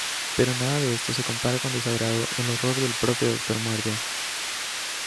Pero nada de esto se compara con desagrado el horror del propio doctor Muerte.